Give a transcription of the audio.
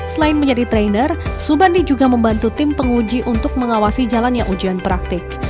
selain menjadi trainer subandi juga membantu tim penguji untuk mengawasi jalannya ujian praktik